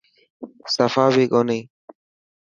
سفا بي ڪوني.